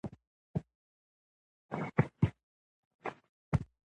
افغانستان د دښتې کوربه دی.